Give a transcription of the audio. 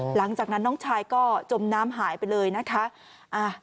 หลังจากนั้นน้องชายก็จมน้ำหายไปเลยนะคะ